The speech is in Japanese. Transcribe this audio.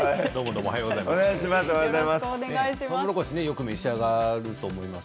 おはようございます。